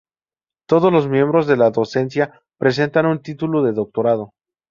Todos los miembros de la docencia presentan un título de doctorado.